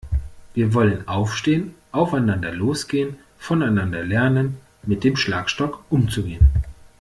Wir wollen aufstehen, aufeinander losgehen, voneinander lernen, mit dem Schlagstock umzugehen.